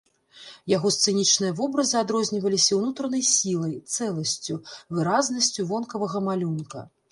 Яго сцэнічныя вобразы адрозніваліся ўнутранай сілай, цэласцю, выразнасцю вонкавага малюнка.